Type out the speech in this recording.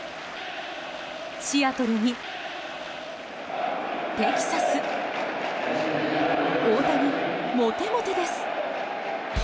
シアトルにテキサス大谷、モテモテです。